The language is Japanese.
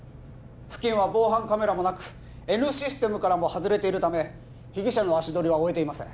付近は防犯カメラもなくＮシステムからも外れているため被疑者の足取りは追えていません